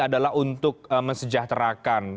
adalah untuk mesejahterakan